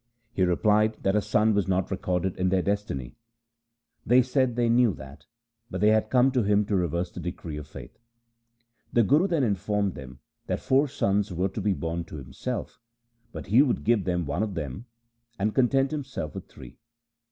He replied that a son was not recorded in their destiny. They 1 Dabistan i Mazahib. 272 THE SIKH RELIGION said they knew that, but they had come to him to reverse the decree of fate. The Guru then informed them that four sons were to be born to himself, but he would give them one of them and content him self with three.